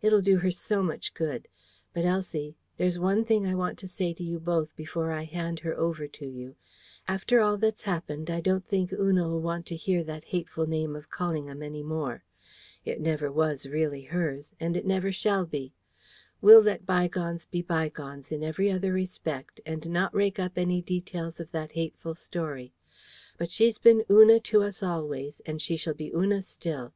It'll do her so much good. But, Elsie, there's one thing I want to say to you both before I hand her over to you. After all that's happened, I don't think Una'll want to hear that hateful name of Callingham any more. It never was really hers, and it never shall be. We'll let bygones be bygones in every other respect, and not rake up any details of that hateful story. But she's been Una to us always, and she shall be Una still.